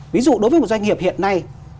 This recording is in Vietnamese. ví dụ đối với một doanh nghiệp hiện nay